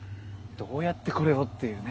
どうやってこれをっていうね。